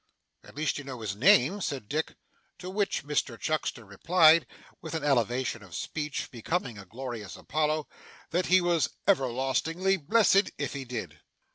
'At least you know his name?' said Dick. To which Mr Chuckster replied, with an elevation of speech becoming a Glorious Apollo, that he was 'everlastingly blessed' if he did.